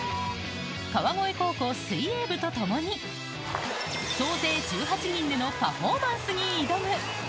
川越高校水泳部と共に総勢１８人でのパフォーマンスに挑む。